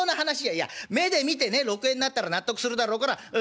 「いや目で見てね６円になったら納得するだろうからそろばん出しな」。